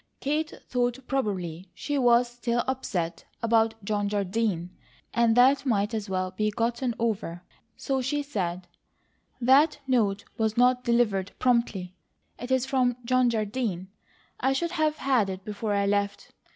Kate thought probably she was still upset about John Jardine, and that might as well be gotten over, so she said: "That note was not delivered promptly. It is from John Jardine. I should have had it before I left.